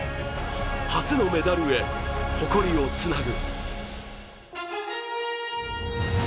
初のメダルへ、誇りをつなぐ。